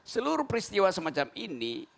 seluruh peristiwa semacam ini